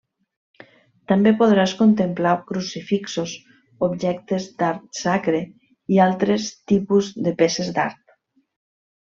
També podràs contemplar crucifixos, objectes d’art sacre i altres tipus de peces d’art.